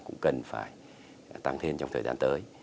cũng cần phải tăng thêm trong thời gian tới